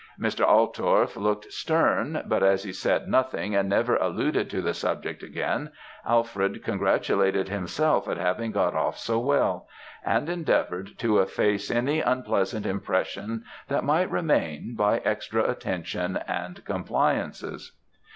Mr. Altorf looked stern; but as he said nothing, and never alluded to the subject again, Alfred congratulated himself at having got off so well, and endeavoured to efface any unpleasant impression that might remain by extra attentions and compliances.